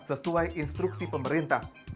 sesuai instruksi pemerintah